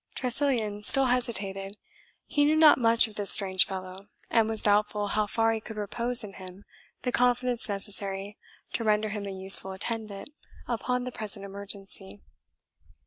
Tressilian still hesitated. He knew not much of this strange fellow, and was doubtful how far he could repose in him the confidence necessary to render him a useful attendant upon the present emergency.